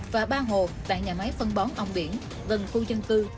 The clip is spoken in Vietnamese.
và ba hồ tại nhà máy phân bón ông biển gần khu dân tư